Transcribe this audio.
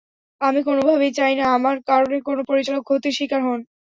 আমি কোনোভাবেই চাই না, আমার কারণে কোনো পরিচালক ক্ষতির শিকার হোন।